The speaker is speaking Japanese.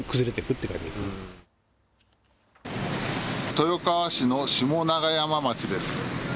豊川市の下長山町です。